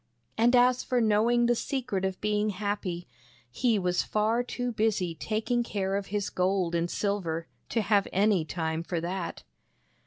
And as for knowing the secret of being happy, he was far too busy taking care of his gold and silver to have any time for that.